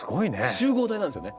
集合体なんですよね。